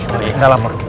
nanti aku minta alam